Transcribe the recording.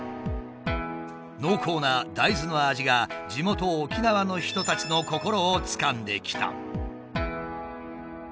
濃厚な大豆の味が地元沖縄の人たちの心をつかんできた。